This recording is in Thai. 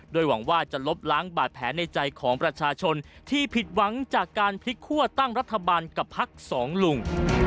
โดยหวังว่าจะลบล้างบาดแผลในใจของประชาชนที่ผิดหวังจากการพลิกคั่วตั้งรัฐบาลกับพักสองลุง